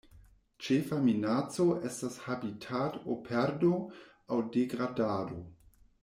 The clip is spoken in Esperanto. Ĉefa minaco estas habitatoperdo aŭ degradado.